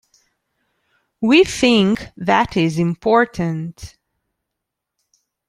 We think that is important.